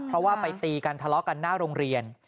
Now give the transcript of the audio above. เพราะว่าไปตีกันทะเลาะกันหน้าโรงเรียน